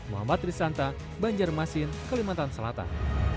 muhammad trisanta banjarmasin kelimantan selatan